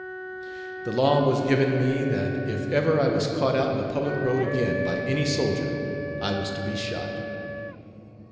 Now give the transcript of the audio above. The law was given me that if ever I was caught out in the public road again, by any soldier, I was to be shot.